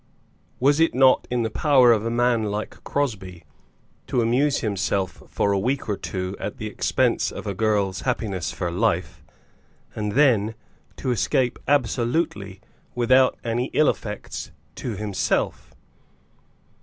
Was it not in the power of a man like Crosbie to amuse himself for a week or two at the expense of a girl's happiness for life, and then to escape absolutely without any ill effects to himself?